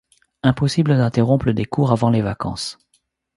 Impossible d’interrompre des cours avant les vacances.